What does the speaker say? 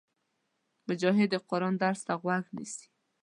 مجاهد د قرآن درس ته غوږ نیسي.